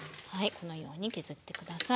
このように削って下さい。